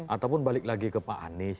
ataupun balik lagi ke pak anies